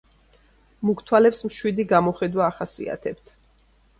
მუქ თვალებს მშვიდი გამოხედვა ახასიათებთ.